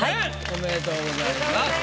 おめでとうございます。